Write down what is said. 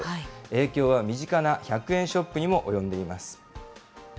影響は身近な１００円ショップにも及んでいます。